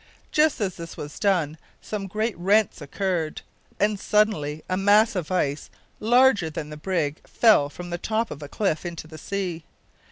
Just as this was done, some great rents occurred, and suddenly a mass of ice larger than the brig fell from the top of a cliff into the sea.